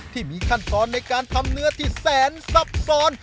ที่มีขั้นตอนในการทำเนื้อที่แสนซับซ้อน